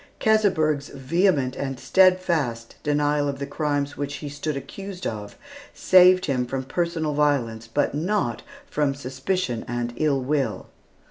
Keseberg's vehement and steadfast denial of the crimes of which he stood accused saved him from personal violence, but not from suspicion and ill will.